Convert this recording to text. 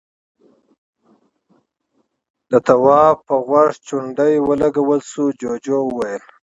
د تواب په غوږ چونډۍ ولګول شوه، جُوجُو وويل: